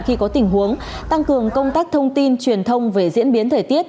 khi có tình huống tăng cường công tác thông tin truyền thông về diễn biến thời tiết